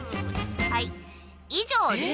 はい以上です。